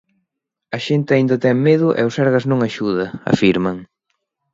"A xente aínda ten medo e o Sergas non axuda", afirman.